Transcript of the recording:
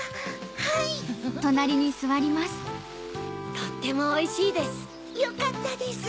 とってもおいしいです。よかったです。